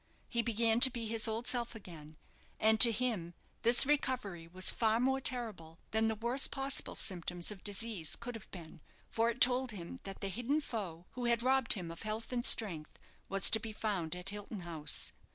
He began to be his old self again; and to him this recovery was far more terrible than the worst possible symptoms of disease could have been, for it told him that the hidden foe who had robbed him of health and strength, was to be found at Hilton House.